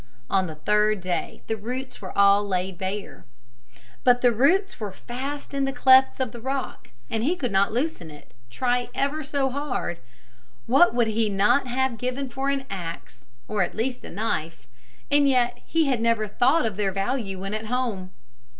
On the third day the roots were all laid bare. But the roots were fast in the clefts of the rock and he could not loosen it, try ever so hard. What would he not have given for an axe, or at least a knife. And yet he had never thought of their value when at home.